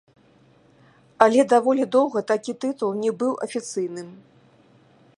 Але даволі доўга такі тытул не быў афіцыйным.